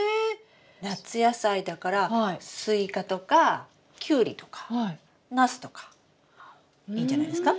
夏野菜だからスイカとかキュウリとかナスとかいいんじゃないですか？